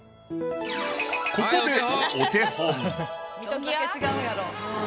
ここでお手本。